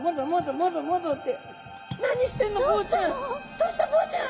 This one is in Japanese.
「どうした？ボウちゃん」。